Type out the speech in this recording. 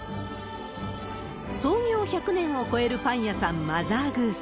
創業１００年を超えるパン屋さん、マザーグース。